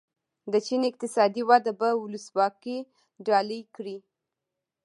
د چین اقتصادي وده به ولسواکي ډالۍ کړي.